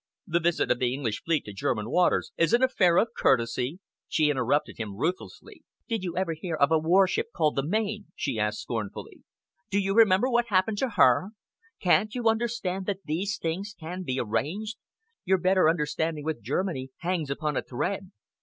The visit of the English fleet to German waters is an affair of courtesy " She interrupted him ruthlessly. "Did you ever hear of a warship called the Maine?" she asked scornfully. "Do you remember what happened to her? Can't you understand that these things can be arranged? Your better understanding with Germany hangs upon a thread.